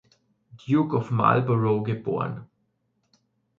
Duke of Marlborough, geboren.